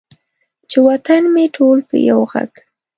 چې وطن مې ټول په یو ږغ،